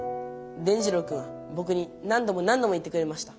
伝じろうくんはぼくに何ども何ども言ってくれました。